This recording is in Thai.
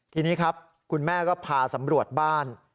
ทีนี้ครับคุณแม่ก็พาสำรวจบ้าน